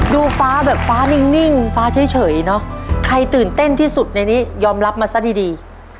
ดูฟ้าแบบฟ้านิ่งฟ้าเฉยเนอะใครตื่นเต้นที่สุดในนี้ยอมรับมาซะดีดี